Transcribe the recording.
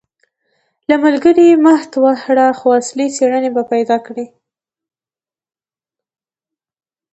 که ملګري همت وکړي نو اصلي څېړنې به پیدا کړي.